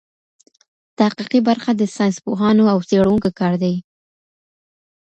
تحقیقي برخه د ساینس پوهانو او څېړونکو کار دئ.